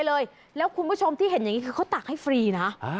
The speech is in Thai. แล้วคุณผู้ชมที่เห็นอย่างนี้คือเขาตักให้ฟรีนะ